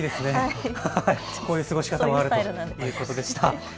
こういう過ごし方もあるということでした。